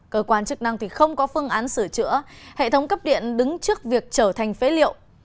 cơ quan chức năng thì không có phương án sửa chữa hệ thống cấp điện đứng trước việc trở thành phế liệu